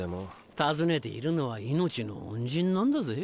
尋ねているのは命の恩人なんだぜ？